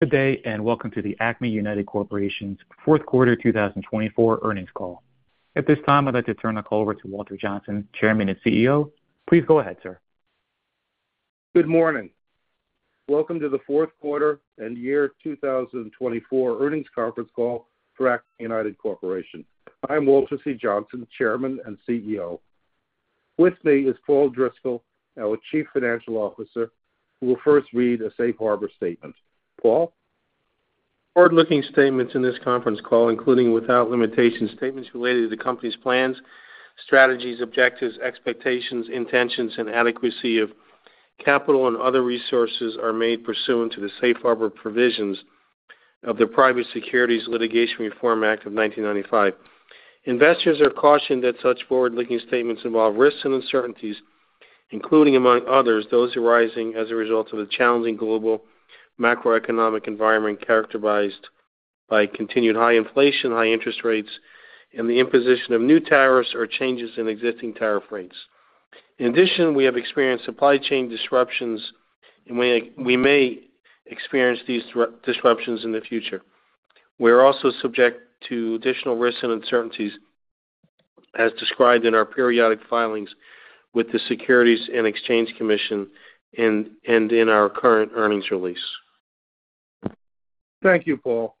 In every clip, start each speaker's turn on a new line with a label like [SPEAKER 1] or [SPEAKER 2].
[SPEAKER 1] Good day, and welcome to the Acme United Corporation's fourth quarter 2024 earnings call. At this time, I'd like to turn the call over to Walter Johnsen, Chairman and CEO. Please go ahead, sir.
[SPEAKER 2] Good morning. Welcome to the fourth quarter and Year 2024 earnings conference call for Acme United Corporation. I'm Walter C. Johnsen, Chairman and CEO. With me is Paul Driscoll, our Chief Financial Officer, who will first read a safe harbor statement. Paul?
[SPEAKER 3] Forward-looking statements in this conference call, including without limitations, statements related to the company's plans, strategies, objectives, expectations, intentions, and adequacy of capital and other resources are made pursuant to the safe harbor provisions of the Private Securities Litigation Reform Act of 1995. Investors are cautioned that such forward-looking statements involve risks and uncertainties, including, among others, those arising as a result of the challenging global macroeconomic environment characterized by continued high inflation, high interest rates, and the imposition of new tariffs or changes in existing tariff rates. In addition, we have experienced supply chain disruptions, and we may experience these disruptions in the future. We are also subject to additional risks and uncertainties, as described in our periodic filings with the Securities and Exchange Commission and in our current earnings release.
[SPEAKER 2] Thank you, Paul.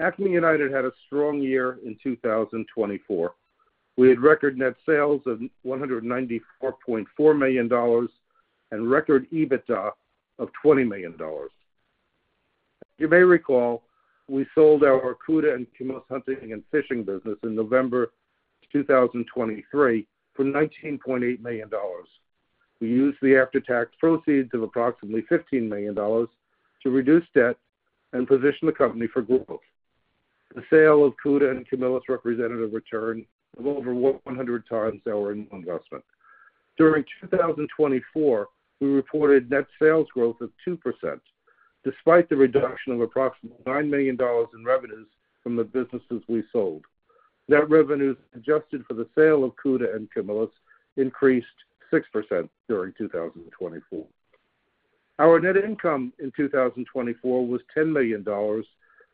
[SPEAKER 2] Acme United had a strong year in 2024. We had record net sales of $194.4 million and record EBITDA of $20 million. As you may recall, we sold our Cuda and Camillus hunting and fishing business in November 2023 for $19.8 million. We used the after-tax proceeds of approximately $15 million to reduce debt and position the company for growth. The sale of Cuda and Camillus represented a return of over 100x our annual investment. During 2024, we reported net sales growth of 2%, despite the reduction of approximately $9 million in revenues from the businesses we sold. Net revenues adjusted for the sale of Cuda and Camillus increased 6% during 2024. Our net income in 2024 was $10 million,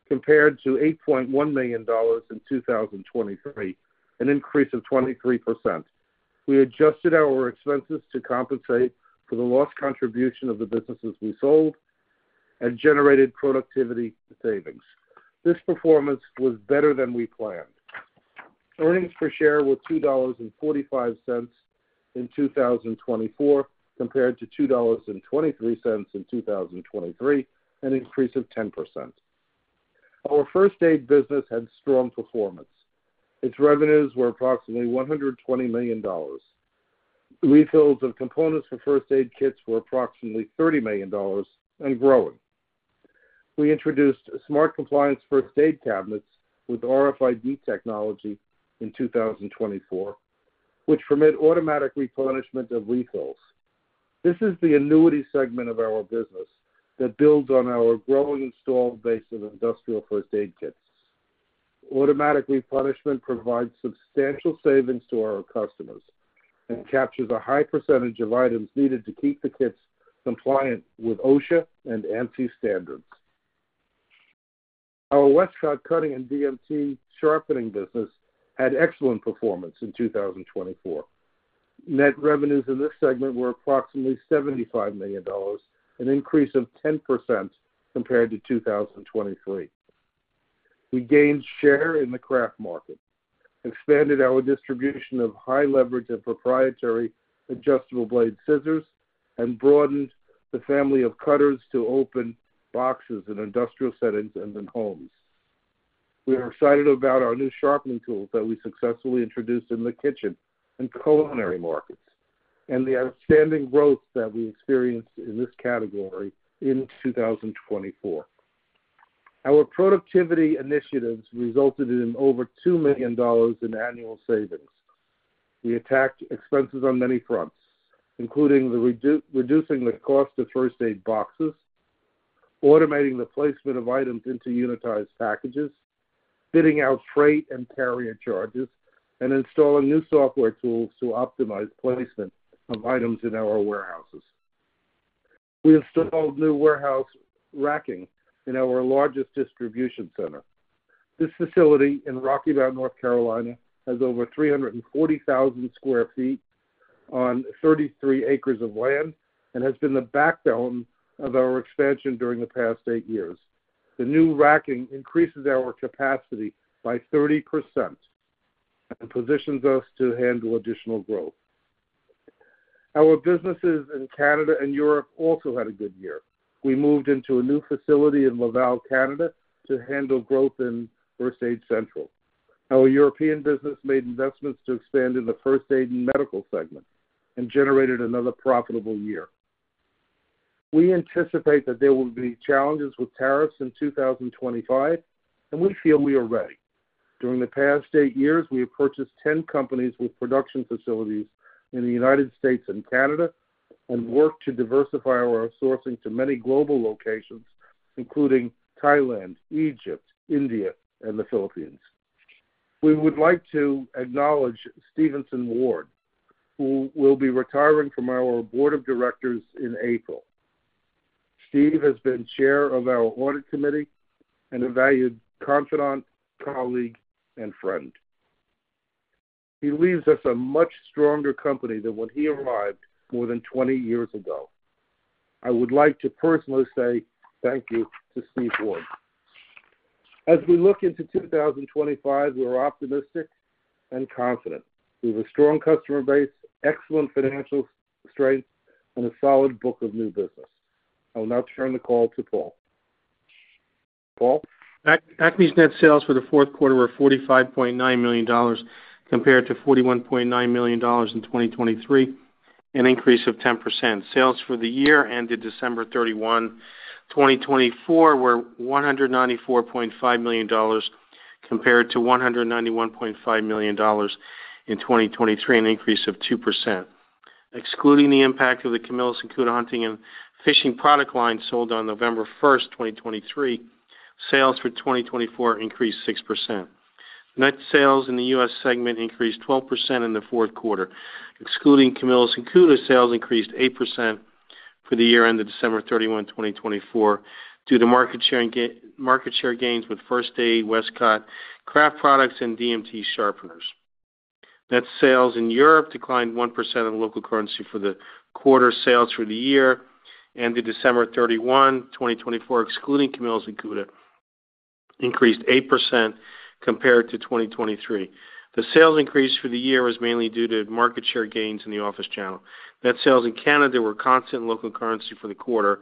[SPEAKER 2] compared to $8.1 million in 2023, an increase of 23%. We adjusted our expenses to compensate for the lost contribution of the businesses we sold and generated productivity savings. This performance was better than we planned. Earnings per share were $2.45 in 2024, compared to $2.23 in 2023, an increase of 10%. Our first-aid business had strong performance. Its revenues were approximately $120 million. Refills of components for first-aid kits were approximately $30 million and growing. We introduced SmartCompliance first-aid cabinets with RFID technology in 2024, which permit automatic replenishment of refills. This is the annuity segment of our business that builds on our growing installed base of industrial first-aid kits. Automatic replenishment provides substantial savings to our customers and captures a high percentage of items needed to keep the kits compliant with OSHA and ANSI standards. Our Westcott cutting and DMT sharpening business had excellent performance in 2024. Net revenues in this segment were approximately $75 million, an increase of 10% compared to 2023. We gained share in the craft market, expanded our distribution of high-leverage and proprietary adjustable blade scissors, and broadened the family of cutters to open boxes in industrial settings and in homes. We are excited about our new sharpening tools that we successfully introduced in the kitchen and culinary markets and the outstanding growth that we experienced in this category in 2024. Our productivity initiatives resulted in over $2 million in annual savings. We attacked expenses on many fronts, including reducing the cost of first-aid boxes, automating the placement of items into unitized packages, bidding out freight and carrier charges, and installing new software tools to optimize placement of items in our warehouses. We installed new warehouse racking in our largest distribution center. This facility in Rocky Mount, North Carolina, has over 340,000 sq ft on 33 acres of land and has been the backbone of our expansion during the past eight years. The new racking increases our capacity by 30% and positions us to handle additional growth. Our businesses in Canada and Europe also had a good year. We moved into a new facility in Laval, Canada, to handle growth in First Aid Central. Our European business made investments to expand in the first-aid and medical segment and generated another profitable year. We anticipate that there will be challenges with tariffs in 2025, and we feel we are ready. During the past eight years, we have purchased 10 companies with production facilities in the United States and Canada and worked to diversify our sourcing to many global locations, including Thailand, Egypt, India, and the Philippines. We would like to acknowledge Stevenson Ward, who will be retiring from our Board of Directors in April. Steve has been chair of our audit committee and a valued confidant, colleague, and friend. He leaves us a much stronger company than when he arrived more than 20 years ago. I would like to personally say thank you to Steve Ward. As we look into 2025, we are optimistic and confident. We have a strong customer base, excellent financial strength, and a solid book of new business. I will now turn the call to Paul. Paul?
[SPEAKER 3] Acme's net sales for the fourth quarter were $45.9 million, compared to $41.9 million in 2023, an increase of 10%. Sales for the year ended December 31, 2024, were $194.5 million, compared to $191.5 million in 2023, an increase of 2%. Excluding the impact of the Cuda and Camillus hunting and fishing product line sold on November 1, 2023, sales for 2024 increased 6%. Net sales in the U.S. segment increased 12% in the fourth quarter. Excluding Cuda and Camillus, sales increased 8% for the year ended December 31, 2024, due to market share gains with first aid, Westcott craft products, and DMT sharpeners. Net sales in Europe declined 1% in local currency for the quarter. Sales for the year ended December 31, 2024, excluding Cuda and Camillus, increased 8% compared to 2023. The sales increase for the year was mainly due to market share gains in the office channel. Net sales in Canada were constant in local currency for the quarter.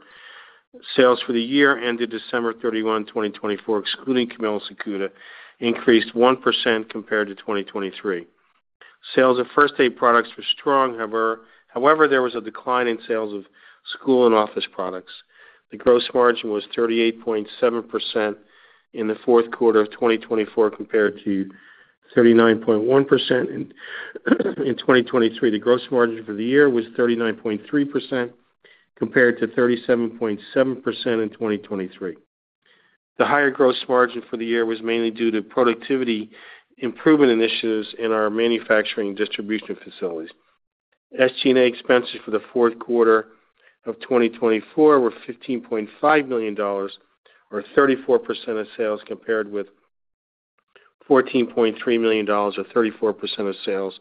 [SPEAKER 3] Sales for the year ended December 31, 2024, excluding Cuda and Camillus, increased 1% compared to 2023. Sales of first-aid products were strong. However, there was a decline in sales of school and office products. The gross margin was 38.7% in the fourth quarter of 2024, compared to 39.1% in 2023. The gross margin for the year was 39.3% compared to 37.7% in 2023. The higher gross margin for the year was mainly due to productivity improvement initiatives in our manufacturing and distribution facilities. SG&A expenses for the fourth quarter of 2024 were $15.5 million, or 34% of sales, compared with $14.3 million, or 34% of sales,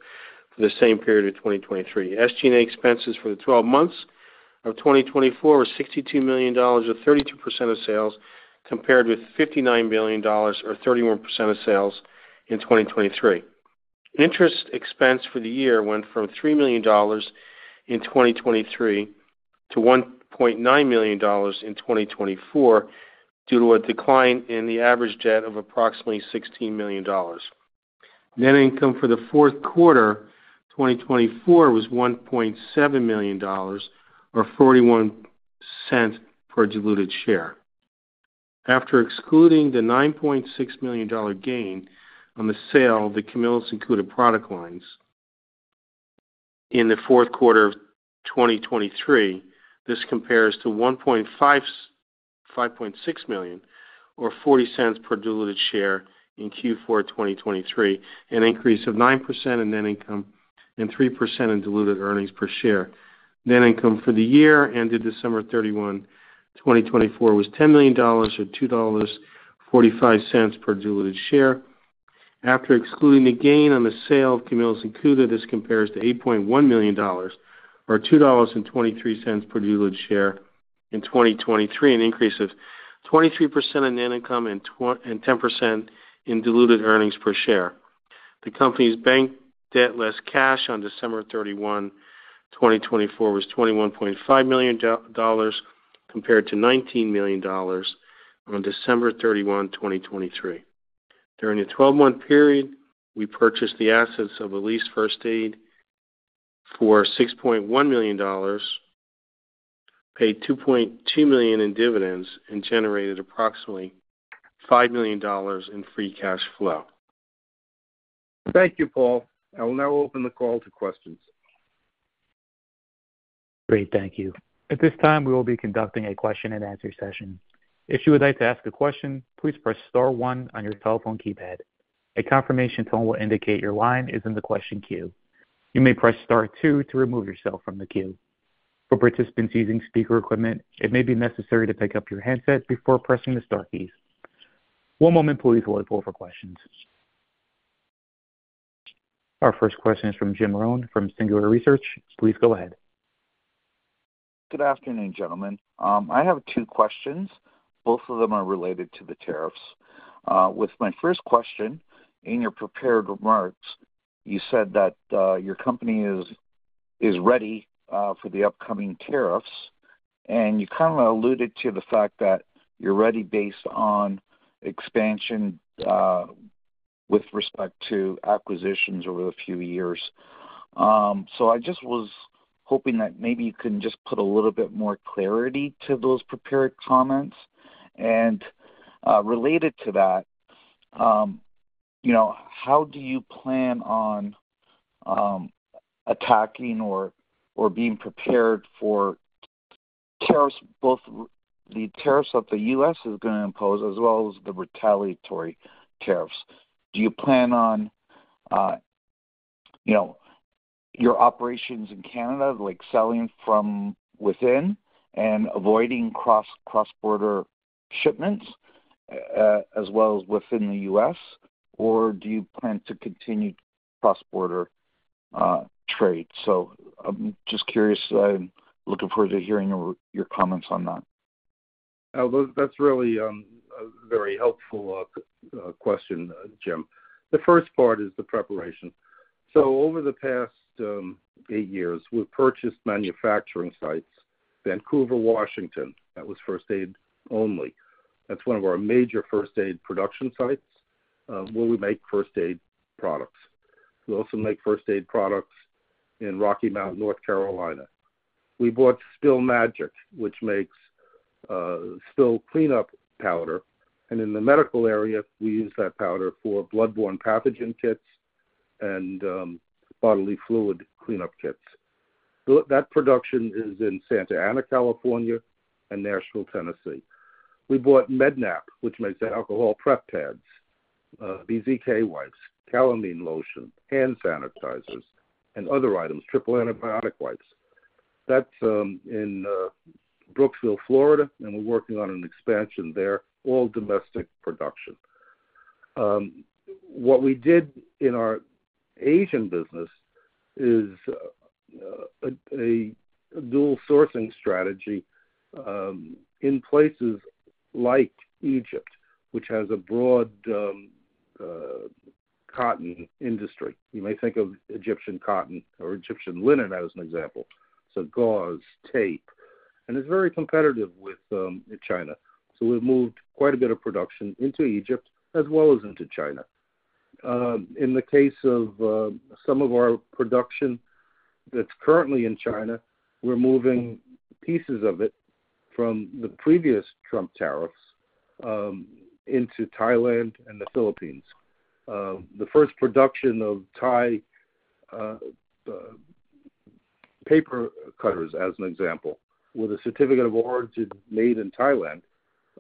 [SPEAKER 3] for the same period of 2023. SG&A expenses for the 12 months of 2024 were $62 million, or 32% of sales, compared with $59 million, or 31% of sales, in 2023. Interest expense for the year went from $3 million in 2023 to $1.9 million in 2024, due to a decline in the average debt of approximately $16 million. Net income for the fourth quarter 2024 was $1.7 million, or $0.41 per diluted share. After excluding the $9.6 million gain on the sale of the Cuda and Camillus product lines in the fourth quarter of 2023, this compares to $1.6 million, or $0.40 per diluted share in Q4 2023, an increase of 9% in net income and 3% in diluted earnings per share. Net income for the year ended December 31, 2024, was $10 million, or $2.45 per diluted share. After excluding the gain on the sale of Cuda and Camillus, this compares to $8.1 million, or $2.23 per diluted share in 2023, an increase of 23% in net income and 10% in diluted earnings per share. The company's bank debt less cash on December 31, 2024, was $21.5 million, compared to $19 million on December 31, 2023. During the 12-month period, we purchased the assets of Elite First Aid for $6.1 million, paid $2.2 million in dividends, and generated approximately $5 million in free cash flow.
[SPEAKER 2] Thank you, Paul. I will now open the call to questions.
[SPEAKER 1] Great, thank you. At this time, we will be conducting a question-and-answer session. If you would like to ask a question, please press star one on your telephone keypad. A confirmation tone will indicate your line is in the question queue. You may press star two to remove yourself from the queue. For participants using speaker equipment, it may be necessary to pick up your handset before pressing the Star keys. One moment, please, while we pull up for questions. Our first question is from Jim Marrone from Singular Research. Please go ahead.
[SPEAKER 4] Good afternoon, gentlemen. I have two questions. Both of them are related to the tariffs. With my first question, in your prepared remarks, you said that your company is ready for the upcoming tariffs, and you kind of alluded to the fact that you're ready based on expansion with respect to acquisitions over the few years. I just was hoping that maybe you can just put a little bit more clarity to those prepared comments. Related to that, how do you plan on attacking or being prepared for tariffs, both the tariffs that the U.S. is going to impose as well as the retaliatory tariffs? Do you plan on your operations in Canada, like selling from within and avoiding cross-border shipments as well as within the U.S., or do you plan to continue cross-border trade? I'm just curious. I'm looking forward to hearing your comments on that.
[SPEAKER 2] That's really a very helpful question, Jim. The first part is the preparation. Over the past eight years, we've purchased manufacturing sites, Vancouver, Washington. That was First Aid Only. That's one of our major first-aid production sites where we make first-aid products. We also make first-aid products in Rocky Mount, North Carolina. We bought Spill Magic, which makes spill cleanup powder. In the medical area, we use that powder for bloodborne pathogen kits and bodily fluid cleanup kits. That production is in Santa Ana, California, and Nashville, Tennessee. We bought Med-Nap, which makes alcohol prep pads, BZK wipes, calamine lotion, hand sanitizers, and other items, triple antibiotic wipes. That's in Brooksville, Florida, and we're working on an expansion there, all domestic production. What we did in our Asian business is a dual sourcing strategy in places like Egypt, which has a broad cotton industry. You may think of Egyptian cotton or Egyptian linen, as an example. So gauze, tape, and it's very competitive with China. We've moved quite a bit of production into Egypt as well as into China. In the case of some of our production that's currently in China, we're moving pieces of it from the previous Trump tariffs into Thailand and the Philippines. The first production of Thai paper cutters, as an example, with a certificate of origin made in Thailand,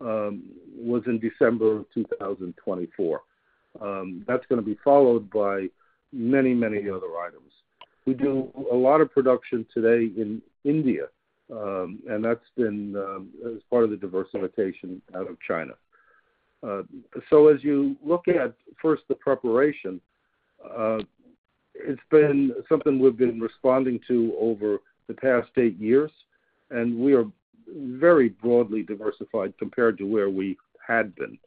[SPEAKER 2] was in December 2024. That's going to be followed by many, many other items. We do a lot of production today in India, and that's been as part of the diversification out of China. As you look at first the preparation, it's been something we've been responding to over the past eight years, and we are very broadly diversified compared to where we had been.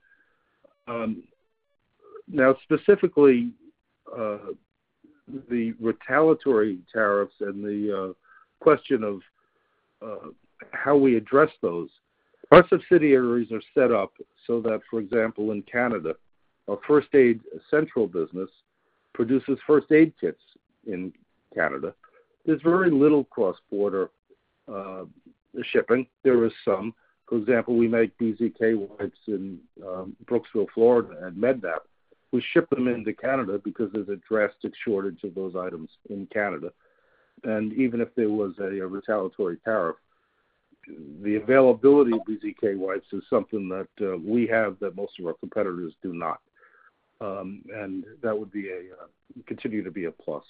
[SPEAKER 2] Now, specifically, the retaliatory tariffs and the question of how we address those. Our subsidiaries are set up so that, for example, in Canada, our First Aid Central business produces first-aid kits in Canada. There's very little cross-border shipping. There is some. For example, we make BZK wipes in Brooksville, Florida, and Med-Nap. We ship them into Canada because there's a drastic shortage of those items in Canada. Even if there was a retaliatory tariff, the availability of BZK wipes is something that we have that most of our competitors do not. That would continue to be a plus.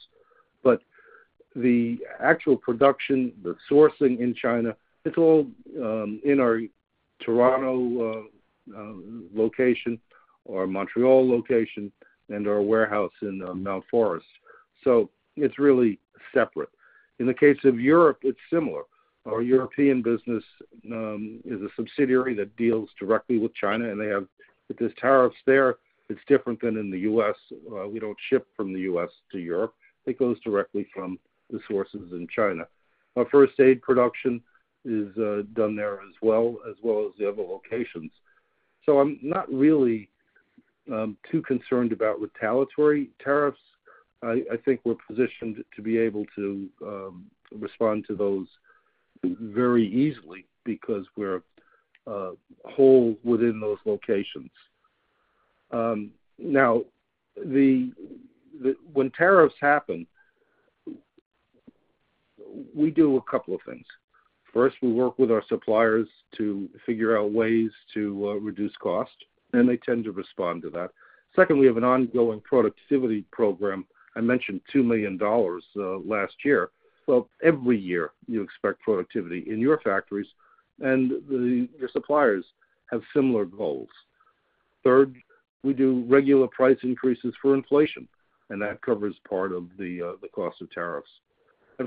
[SPEAKER 2] The actual production, the sourcing in China, it's all in our Toronto location or Montreal location and our warehouse in Mount Forest. It is really separate. In the case of Europe, it's similar. Our European business is a subsidiary that deals directly with China, and they have these tariffs there. It's different than in the U.S. We don't ship from the U.S. to Europe. It goes directly from the sources in China. Our first-aid production is done there as well, as well as the other locations. I'm not really too concerned about retaliatory tariffs. I think we're positioned to be able to respond to those very easily because we're whole within those locations. Now, when tariffs happen, we do a couple of things. First, we work with our suppliers to figure out ways to reduce cost, and they tend to respond to that. Second, we have an ongoing productivity program. I mentioned $2 million last year. Every year, you expect productivity in your factories, and your suppliers have similar goals. Third, we do regular price increases for inflation, and that covers part of the cost of tariffs.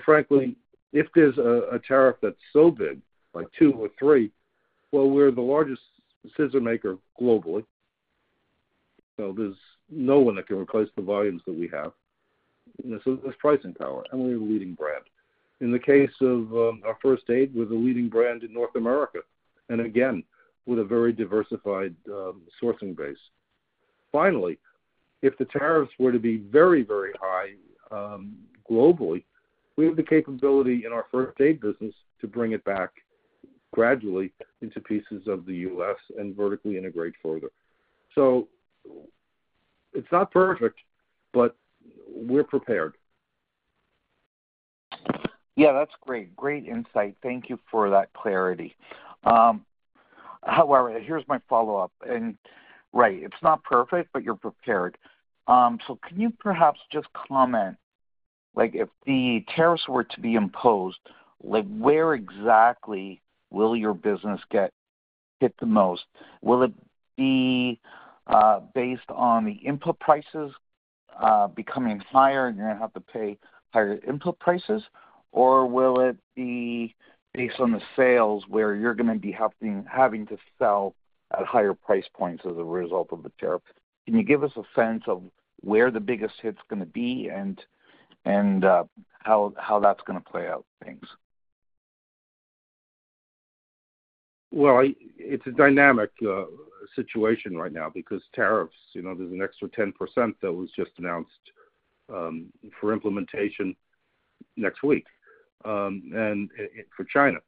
[SPEAKER 2] Frankly, if there's a tariff that's so big, like two or three, well, we're the largest scissor maker globally. There's no one that can replace the volumes that we have. There's pricing power, and we're a leading brand. In the case of our first aid, we're the leading brand in North America, and again, with a very diversified sourcing base. Finally, if the tariffs were to be very, very high globally, we have the capability in our first-aid business to bring it back gradually into pieces of the U.S. and vertically integrate further. It's not perfect, but we're prepared.
[SPEAKER 4] Yeah, that's great. Great insight. Thank you for that clarity. However, here's my follow-up. Right, it's not perfect, but you're prepared. Can you perhaps just comment, like if the tariffs were to be imposed, where exactly will your business get hit the most? Will it be based on the input prices becoming higher and you're going to have to pay higher input prices, or will it be based on the sales where you're going to be having to sell at higher price points as a result of the tariff? Can you give us a sense of where the biggest hit's going to be and how that's going to play out things?
[SPEAKER 2] It's a dynamic situation right now because tariffs, there's an extra 10% that was just announced for implementation next week for China.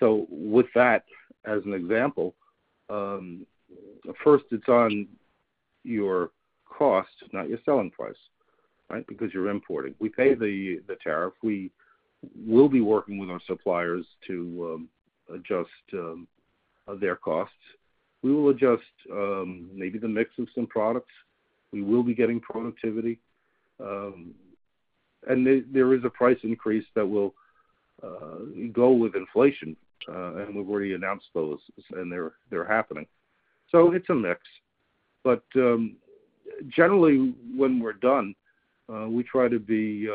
[SPEAKER 2] With that, as an example, first, it's on your cost, not your selling price, right, because you're importing. We pay the tariff. We will be working with our suppliers to adjust their costs. We will adjust maybe the mix of some products. We will be getting productivity. There is a price increase that will go with inflation, and we've already announced those, and they're happening. It's a mix. Generally, when we're done, we try to be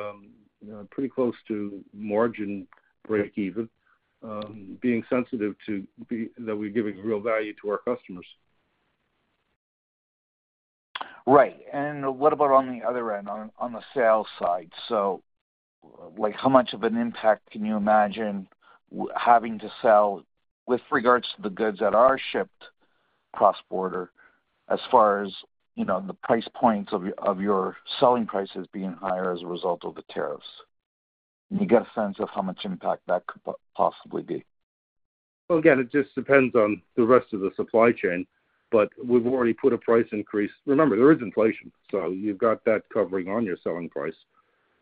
[SPEAKER 2] pretty close to margin break-even, being sensitive to that we're giving real value to our customers.
[SPEAKER 4] Right. What about on the other end, on the sales side? How much of an impact can you imagine having to sell with regards to the goods that are shipped cross-border as far as the price points of your selling prices being higher as a result of the tariffs? Can you get a sense of how much impact that could possibly be?
[SPEAKER 2] It just depends on the rest of the supply chain, but we've already put a price increase. Remember, there is inflation, so you've got that covering on your selling price.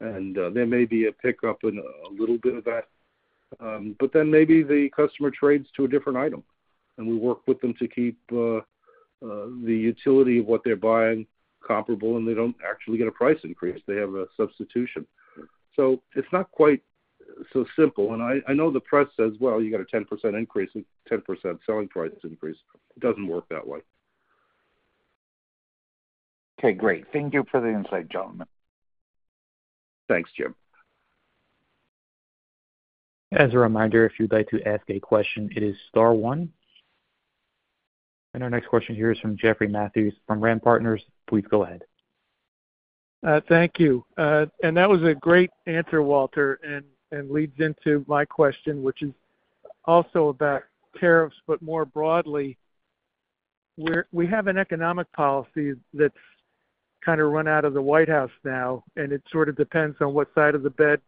[SPEAKER 2] There may be a pickup in a little bit of that, but then maybe the customer trades to a different item, and we work with them to keep the utility of what they're buying comparable, and they do not actually get a price increase. They have a substitution. It is not quite so simple. I know the press says, "You got a 10% increase and 10% selling price increase." It does not work that way.
[SPEAKER 4] Okay, great. Thank you for the insight, gentlemen.
[SPEAKER 3] Thanks, Jim.
[SPEAKER 1] As a reminder, if you'd like to ask a question, it is star one. Our next question here is from Jeffrey Matthews from RAM Partners. Please go ahead.
[SPEAKER 5] Thank you. That was a great answer, Walter, and leads into my question, which is also about tariffs. More broadly, we have an economic policy that's kind of run out of the White House now, and it sort of depends on what side of the bed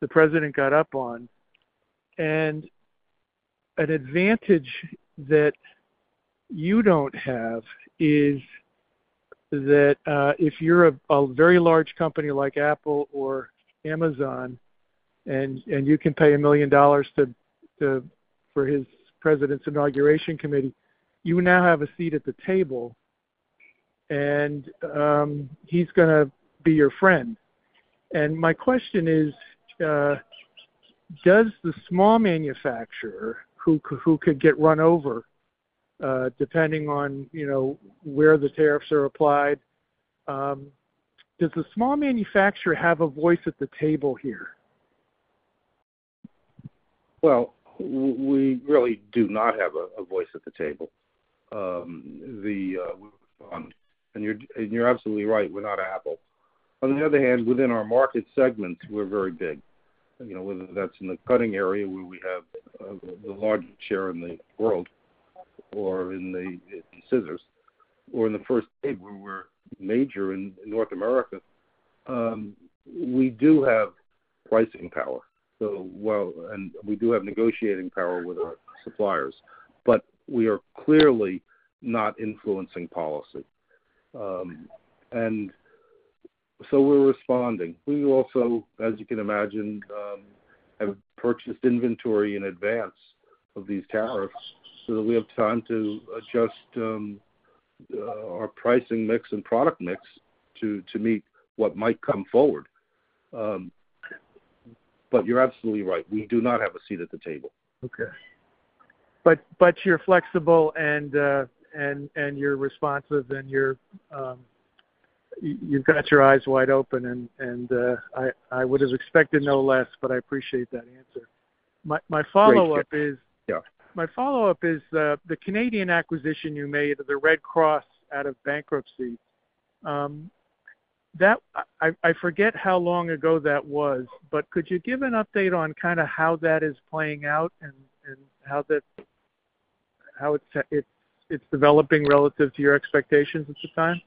[SPEAKER 5] the president got up on. An advantage that you do not have is that if you are a very large company like Apple or Amazon, and you can pay a million dollars for his president's inauguration committee, you now have a seat at the table, and he is going to be your friend. My question is, does the small manufacturer who could get run over, depending on where the tariffs are applied, does the small manufacturer have a voice at the table here?
[SPEAKER 2] We really do not have a voice at the table. You're absolutely right. We're not Apple. On the other hand, within our market segments, we're very big. Whether that's in the cutting area where we have the largest share in the world or in the scissors, or in the first aid where we're major in North America, we do have pricing power. We do have negotiating power with our suppliers, but we are clearly not influencing policy. We are responding. We also, as you can imagine, have purchased inventory in advance of these tariffs so that we have time to adjust our pricing mix and product mix to meet what might come forward. You're absolutely right. We do not have a seat at the table.
[SPEAKER 5] Okay. You are flexible and you are responsive, and you have got your eyes wide open, and I would have expected no less, but I appreciate that answer. My follow-up is.
[SPEAKER 2] Thank you. Yeah.
[SPEAKER 5] My follow-up is the Canadian acquisition you made of the Red Cross out of bankruptcy. I forget how long ago that was, but could you give an update on kind of how that is playing out and how it's developing relative to your expectations at the time?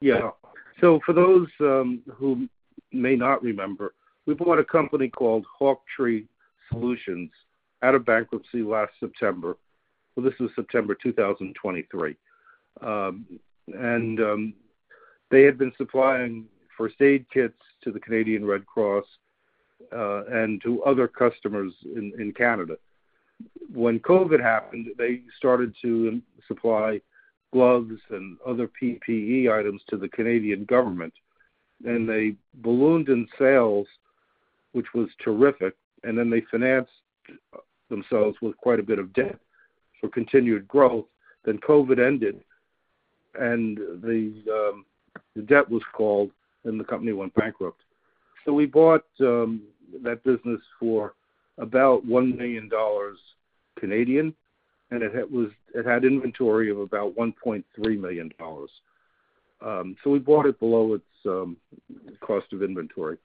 [SPEAKER 2] Yeah. For those who may not remember, we bought a company called Hawktree Solutions out of bankruptcy last September. This was September 2023. They had been supplying first-aid kits to the Canadian Red Cross and to other customers in Canada. When COVID happened, they started to supply gloves and other PPE items to the Canadian government, and they ballooned in sales, which was terrific. They financed themselves with quite a bit of debt for continued growth. COVID ended, the debt was called, and the company went bankrupt. We bought that business for about 1 million Canadian dollars, and it had inventory of about 1.3 million dollars. We bought it below its cost of inventory.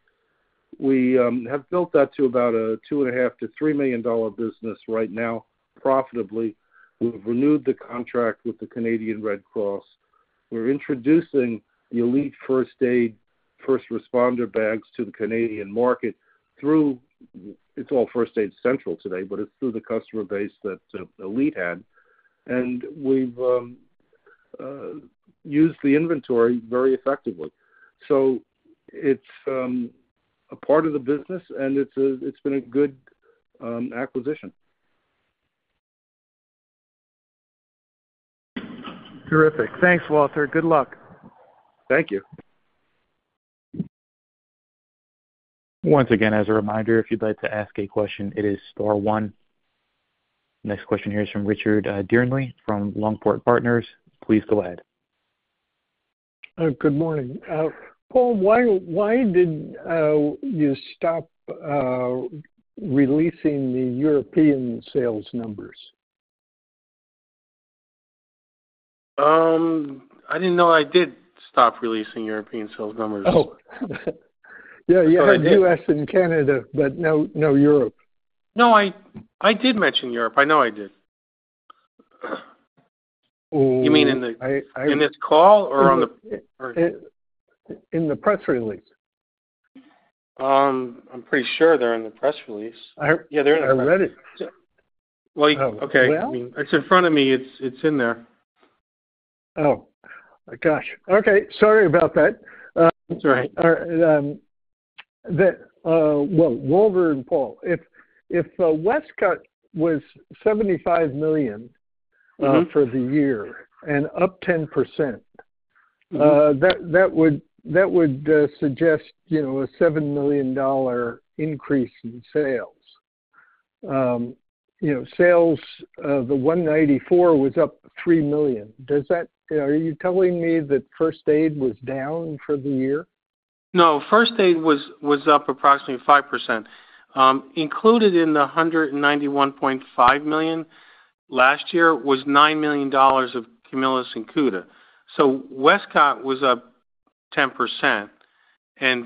[SPEAKER 2] We have built that to about a 2.5 million-3 million dollar business right now, profitably. We have renewed the contract with the Canadian Red Cross. We're introducing the Elite First Aid, first responder bags to the Canadian market through—it's all First Aid Central today, but it's through the customer base that Elite had. We have used the inventory very effectively. It is a part of the business, and it has been a good acquisition.
[SPEAKER 5] Terrific. Thanks, Walter. Good luck.
[SPEAKER 2] Thank you.
[SPEAKER 1] Once again, as a reminder, if you'd like to ask a question, it is star one. Next question here is from Richard Dearnley from Longport Partners. Please go ahead.
[SPEAKER 6] Good morning. Paul, why did you stop releasing the European sales numbers?
[SPEAKER 3] I didn't know I did stop releasing European sales numbers.
[SPEAKER 6] Oh. Yeah, yeah. In the U.S. and Canada, but no Europe.
[SPEAKER 3] No, I did mention Europe. I know I did. You mean in this call or on the?
[SPEAKER 6] In the press release.
[SPEAKER 3] I'm pretty sure they're in the press release. Yeah, they're in the press.
[SPEAKER 6] I read it.
[SPEAKER 3] Okay. It's in front of me. It's in there.
[SPEAKER 6] Oh, gosh. Okay. Sorry about that.
[SPEAKER 3] That's all right.
[SPEAKER 6] Walter and Paul, if Westcott was $75 million for the year and up 10%, that would suggest a $7 million increase in sales. Sales, the $194 million, was up $3 million. Are you telling me that first aid was down for the year?
[SPEAKER 3] No, first aid was up approximately 5%. Included in the $191.5 million last year was $9 million of Camillus and Cuda. Westcott was up 10%, and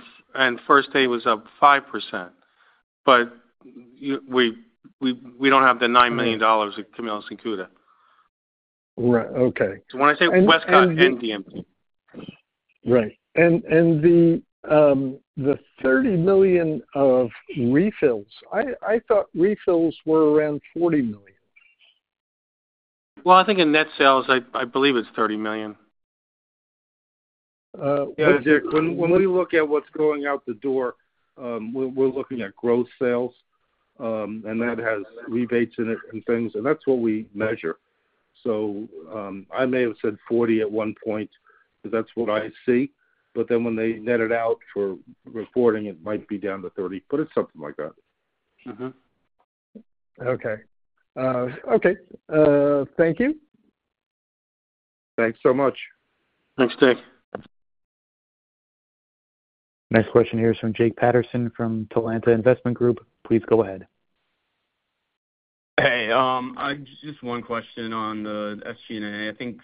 [SPEAKER 3] first aid was up 5%. We do not have the $9 million of Camillus and Cuda.
[SPEAKER 6] Right. Okay.
[SPEAKER 3] When I say Westcott and DMT.
[SPEAKER 6] Right. The $30 million of refills, I thought refills were around $40 million.
[SPEAKER 3] I think in net sales, I believe it's $30 million.
[SPEAKER 2] When we look at what's going out the door, we're looking at gross sales, and that has rebates in it and things. That's what we measure. I may have said 40 at one point because that's what I see. When they net it out for reporting, it might be down to 30, but it's something like that.
[SPEAKER 6] Okay. Okay. Thank you.
[SPEAKER 2] Thanks so much.
[SPEAKER 3] Thanks, Dick.
[SPEAKER 1] Next question here is from Jake Patterson from Talanta Investment Group. Please go ahead.
[SPEAKER 7] Hey, just one question on the SG&A. I think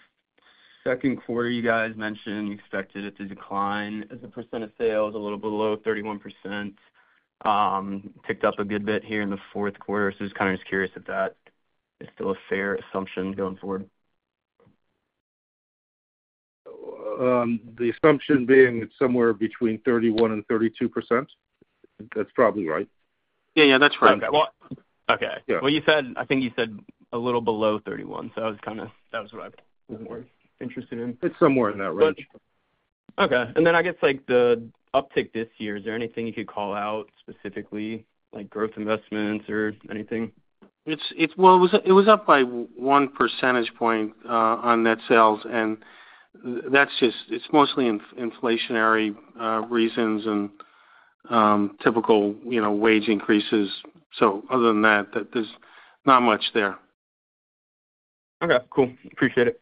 [SPEAKER 7] second quarter, you guys mentioned you expected it to decline. The percent of sales a little below 31% picked up a good bit here in the fourth quarter. I was kind of just curious if that is still a fair assumption going forward.
[SPEAKER 2] The assumption being it's somewhere between 31% and 32%. That's probably right.
[SPEAKER 7] Yeah, yeah. That's right. Okay. I think you said a little below 31%, so that was kind of—that was what I was interested in.
[SPEAKER 2] It's somewhere in that range.
[SPEAKER 7] Okay. I guess the uptick this year, is there anything you could call out specifically, like growth investments or anything?
[SPEAKER 3] It was up by one percentage point on net sales, and it's mostly inflationary reasons and typical wage increases. Other than that, there's not much there.
[SPEAKER 7] Okay. Cool. Appreciate it.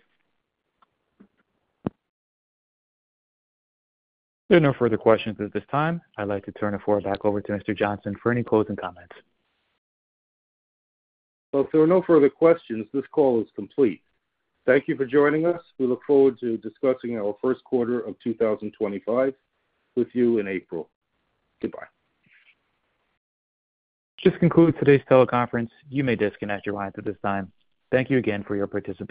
[SPEAKER 1] There are no further questions at this time. I'd like to turn the floor back over to Mr. Johnsen for any closing comments.
[SPEAKER 6] If there are no further questions, this call is complete. Thank you for joining us. We look forward to discussing our first quarter of 2025 with you in April. Goodbye.
[SPEAKER 1] This concludes today's teleconference. You may disconnect your lines at this time. Thank you again for your participation.